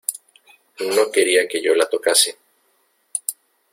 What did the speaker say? no quería que yo la tocase.